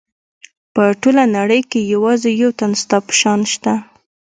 په ټوله نړۍ کې یوازې یو تن ستا په شان شته.